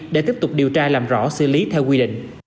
để tiếp tục điều tra làm rõ xử lý theo quy định